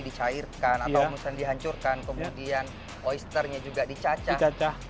dicairkan atau misalnya dihancurkan kemudian oisternya juga dicacah